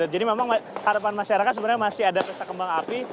jadi memang harapan masyarakat sebenarnya masih ada pesta kembang api